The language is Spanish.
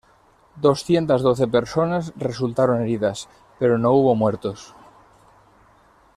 Doscientas doce personas resultaron heridas, pero no hubo muertos.